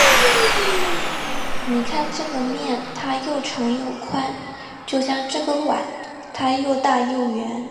你看这个面，它又长又宽，就像这个碗，它又大又圆。